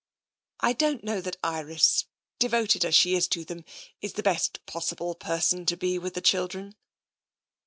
" I don't know that Iris, devoted though she is to them, is the best possible person to be with the chil dren."